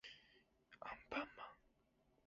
アンパンマン